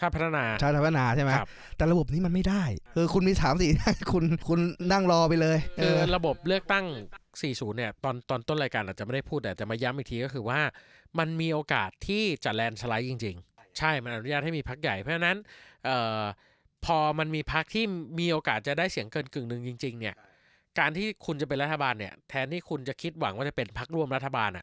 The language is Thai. ภาคสี่ศูนย์เนี่ยตอนต้นต้นรายการอาจจะไม่ได้พูดแต่จะมาย้ำอีกทีก็คือว่ามันมีโอกาสที่จะแลนด์สไลด์จริงจริงใช่มันอนุญาตให้มีพักใหญ่เพราะฉะนั้นพอมันมีพักที่มีโอกาสจะได้เสียงเกินกึ่งหนึ่งจริงจริงเนี่ยการที่คุณจะเป็นรัฐบาลเนี่ยแทนที่คุณจะคิดหวังว่าจะเป็นพักร่วมรัฐ